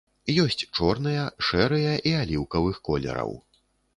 Ёсць чорныя, шэрыя і аліўкавых колераў.